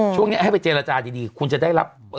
ช่วงนี้ให้ไปเจรจาดีคุณจะได้รับ